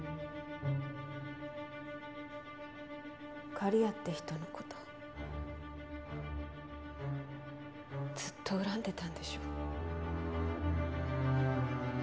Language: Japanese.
刈谷って人の事ずっと恨んでたんでしょ？